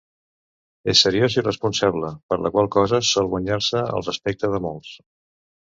És seriós i responsable, per la qual cosa sol guanyar-se el respecte de molts.